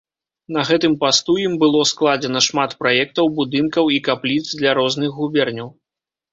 На гэтым пасту ім было складзена шмат праектаў будынкаў і капліц для розных губерняў.